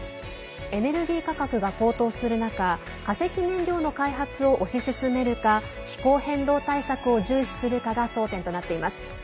エネルギー価格が高騰する中化石燃料の開発を推し進めるか気候変動対策を重視するかが争点となっています。